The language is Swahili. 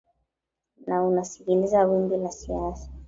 na unasikiliza wimbi la siasa